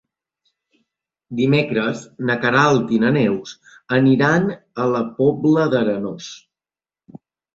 Dimecres na Queralt i na Neus aniran a la Pobla d'Arenós.